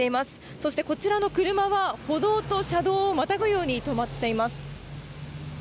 そしてこちらの車は歩道と車道をまたぐように止まっています。